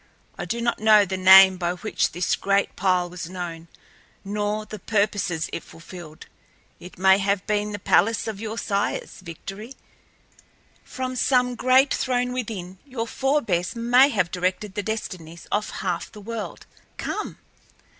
"I do not know the name by which this great pile was known, nor the purposes it fulfilled. It may have been the palace of your sires, Victory. From some great throne within, your forebears may have directed the destinies of half the world. Come!"